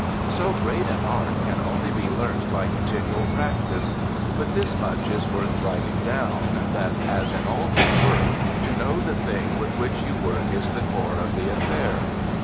So great an art can only be learnt by continual practice; but this much is worth writing down, that, as in all good work, to know the thing with which you work is the core of the affair.